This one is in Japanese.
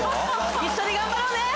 一緒に頑張ろうね。